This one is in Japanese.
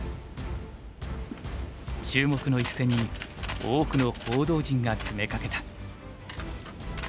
注目の一戦に多くの報道陣が詰めかけた。